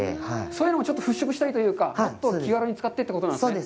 そういうのも払拭したいというか、気軽に使ってということなんですね。